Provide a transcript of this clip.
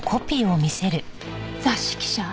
雑誌記者？